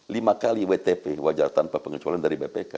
lima kali wtp wajar tanpa pengecualian dari bpk